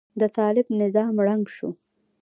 د طالب نظام ړنګ شو.